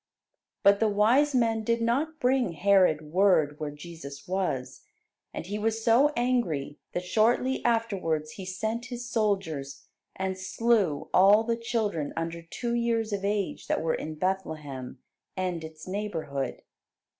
But the wise men did not bring Herod word where Jesus was; and he was so angry that shortly afterwards he sent his soldiers, and slew all the children under two years of age that were in Bethlehem and its neighbourhood.